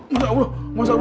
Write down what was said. masak dulu masak dulu